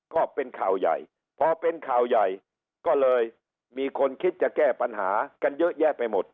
ก็เป็นข่าวใหญ่พอเป็นข่าวใหญ่ก็เลยมีคนคิดจะแก้ปัญหากันเยอะแยะไปหมด